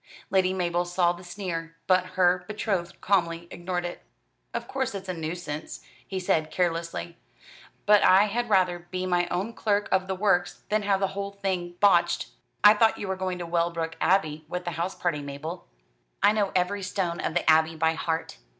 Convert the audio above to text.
Lady Mabel saw the sneer, but her betrothed calmly ignored it. "Of course it's a nuisance," he said carelessly; "but I had rather be my own clerk of the works than have the whole thing botched. I thought you were going to Wellbrook Abbey with the house party, Mabel?" "I know every stone of the Abbey by heart.